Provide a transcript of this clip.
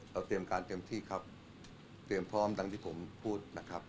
เตรียมการเต็มที่ครับเตรียมพร้อมดังที่ผมพูดนะครับ